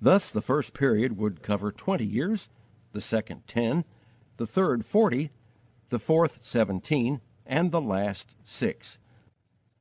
Thus the first period would cover twenty years; the second, ten; the third, forty; the fourth, seventeen; and the last, six.